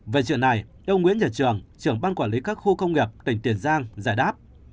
về chuyện này ông nguyễn nhật trường trưởng ban quản lý các khu công nghiệp tỉnh tiền giang giải đáp